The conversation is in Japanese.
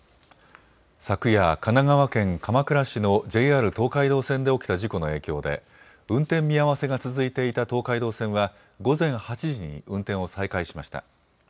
昨夜、神奈川県鎌倉市のＪＲ東海道線で起きた事故の影響で運転見合わせが続いていた東海道線は午前８時に運転を再開しました。